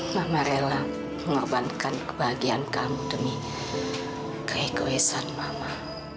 mama rela mengorbankan kebahagiaan kamu demi keegoisan mama